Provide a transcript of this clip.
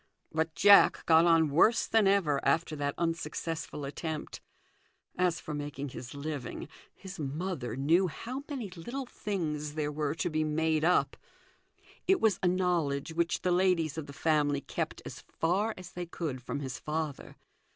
But Jack got on worse than ever after that unsuccessful attempt. As for making his living, his mother knew how many little things there were to be made up. It was a knowledge which the ladies of the family kept as far as they could from his father.